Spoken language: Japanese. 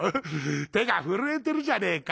手が震えてるじゃねえか。